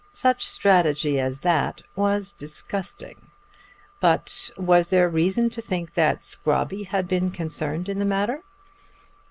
Such strategy as that was disgusting; but was there reason to think that Scrobby had been concerned in the matter?